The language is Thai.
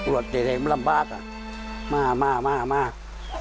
รถเจ็ดให้มันลำบากมากมากมาก